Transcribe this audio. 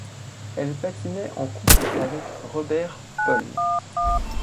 Elle patinait en couple avec Robert Paul.